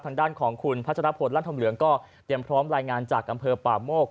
ทางด้านของคุณพัชรพลลั่นธมเหลืองก็เตรียมพร้อมรายงานจากอำเภอป่าโมก